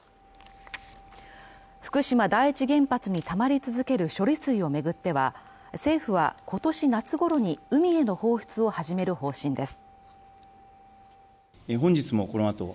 福島第一原発にたまり続ける処理水を巡っては政府は今年夏ごろに海への放出を始める方針です。